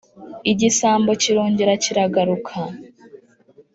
igisambo kirongera kiragaruka;